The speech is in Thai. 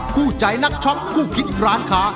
คู่ใจนักช็อคคู่คิดร้านค้า